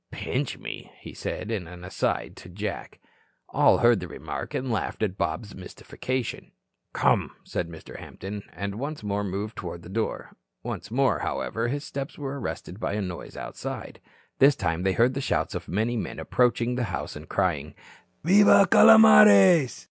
"Pinch me," he said, in an aside to Jack. All heard the remark, and laughed at Bob's mystification. "Come," said Mr. Hampton, and once more moved toward the door. Once more, however, his steps were arrested by a noise outside. This time they heard the shouts of many men approaching the house and crying "Viva, Calomares."